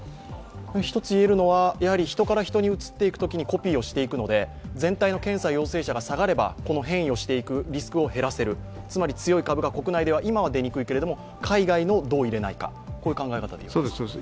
１つ言えるのは、人から人にうつっていくときにコピーをしていくので、全体の検査陽性者が下がれば下がれば変異をしていくリスクを減らせる、つまり強い株が今は出にくいけれども、海外のをどう入れないかですね。